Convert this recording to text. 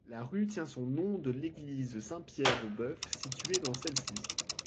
La rue tient son nom de l'église Saint-Pierre-aux-Bœufs située dans celle-ci.